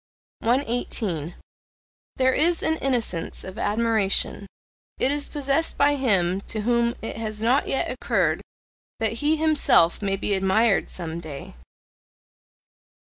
118. There is an innocence of admiration: it is possessed by him to whom it has not yet occurred that he himself may be admired some day.